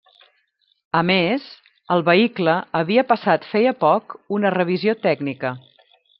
A més, el vehicle havia passat feia poc una revisió tècnica.